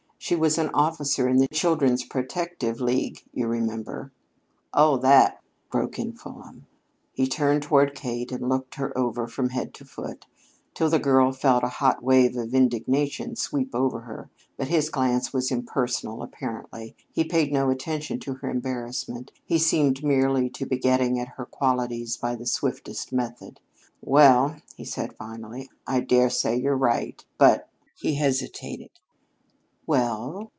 She was an officer of the Children's Protective League, you remember." "Oh, that " broke in Fulham. He turned toward Kate and looked her over from head to foot, till the girl felt a hot wave of indignation sweep over her. But his glance was impersonal, apparently. He paid no attention to her embarrassment. He seemed merely to be getting at her qualities by the swiftest method. "Well," he said finally, "I dare say you're right. But " he hesitated. "Well?"